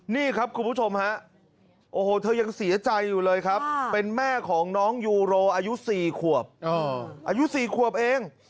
นี่ครับคุณผู้ชมฮะโอ้โหเธอยังเสียใจอยู่เลยครับเป็นแม่ของน้องยูโรอายุ๔ขวบอายุ๔ขวบเอง